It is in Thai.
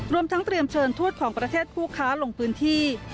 รวมทั้งเตรียมเชิญทูตของประเทศผู้ค้าลงพื้นที่